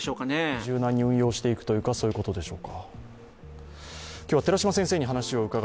柔軟に運用していくということでしょうか。